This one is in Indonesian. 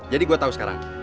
jadi gue tau sekarang